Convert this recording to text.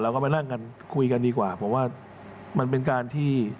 ก็ไปนั่งกันคุยกันดีกว่าผมว่ามันเป็นการที่